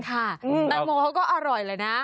แตงโมเขาก็อร่อยแหละนะ